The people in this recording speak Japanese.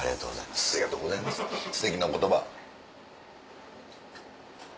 すてきな言葉。